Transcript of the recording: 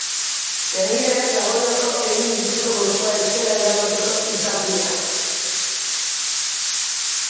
Senideek dagoeneko egin dituzte gorpua etxera eramateko izapideak.